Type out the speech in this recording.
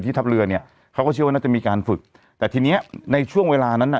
ทัพเรือเนี่ยเขาก็เชื่อว่าน่าจะมีการฝึกแต่ทีเนี้ยในช่วงเวลานั้นน่ะ